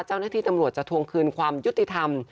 เจ้าหน้าที่ตำรวจจะทวงคืนความยุติธรรม